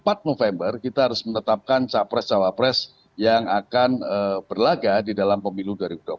pada empat november kita harus menetapkan capres cawapres yang akan berlaga di dalam pemilu dua ribu dua puluh